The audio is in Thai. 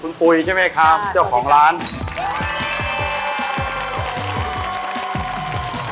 เป็นไข่ออนเซนเป็นเมนูแนะนำเลย